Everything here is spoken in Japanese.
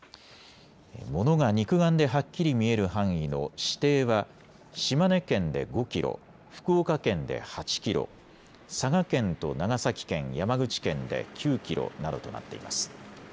物が肉眼ではっきり見える範囲の視程は島根県で５キロ、福岡県で８キロ、佐賀県と長崎県、山口県で９キロなどとなっています。